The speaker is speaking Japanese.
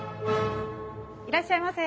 いらっしゃいませ。